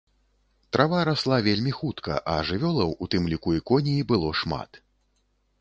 Трава расла вельмі хутка, а жывёлаў, у тым ліку і коней, было шмат.